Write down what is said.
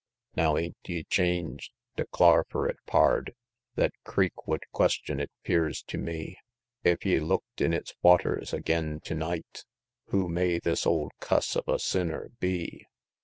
Now ain't ye changed? declar fur it, pard; Thet creek would question, it 'pears tew me, Ef ye looked in its waters agin tew night, 'Who may this old cuss of a sinner be?'"